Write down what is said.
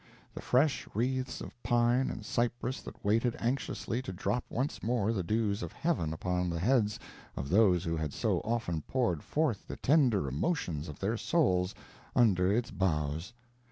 The fresh wreaths of the pine and cypress had waited anxiously to drop once more the dews of Heaven upon the heads of those who had so often poured forth the tender emotions of their souls under its boughs.